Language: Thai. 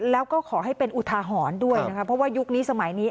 แล้วก็ขอให้เป็นอุทาหรณ์ด้วยนะคะเพราะว่ายุคนี้สมัยนี้